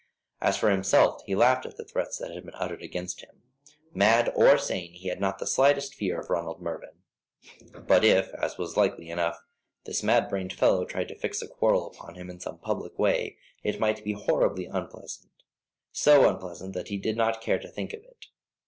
As for himself, he laughed at the threats that had been uttered against him. Mad or sane, he had not the slightest fear of Ronald Mervyn. But if, as was likely enough, this mad brained fellow tried to fix a quarrel upon him in some public way, it might be horribly unpleasant so unpleasant that he did not care to think of it.